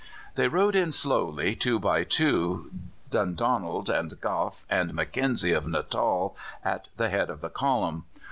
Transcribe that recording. They rode in slowly, two by two, Dundonald and Gough and Mackenzie of Natal at the head of the column.